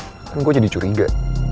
kan gue jadi curiga